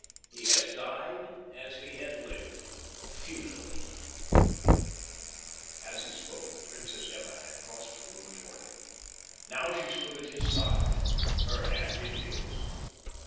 He has died as he had lived—futilely." As he spoke the Princess Emma had crossed the room toward him. Now she stood at his side, her hand in his.